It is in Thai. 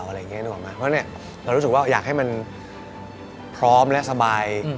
เพราะฉะนั้นเรารู้สึกว่าอยากให้มันพร้อมและสบาย